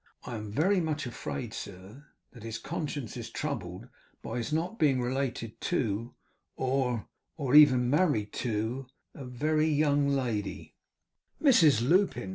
'I am very much afraid, sir, that his conscience is troubled by his not being related to or or even married to a very young lady ' 'Mrs Lupin!